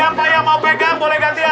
gantian boleh boleh gantian boleh gantian